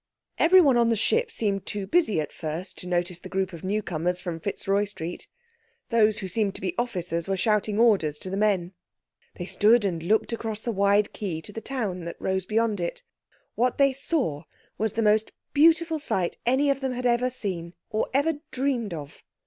Everyone on the ship seemed too busy at first to notice the group of newcomers from Fitzroy Street. Those who seemed to be officers were shouting orders to the men. They stood and looked across the wide quay to the town that rose beyond it. What they saw was the most beautiful sight any of them had ever seen—or ever dreamed of.